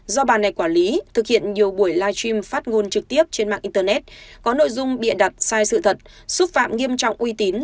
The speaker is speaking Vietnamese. do bà này quản lý thực hiện nhiều buổi live stream phát ngôn trực tiếp trên mạng internet có nội dung bịa đặt sai sự thật xúc phạm nghiêm trọng uy tín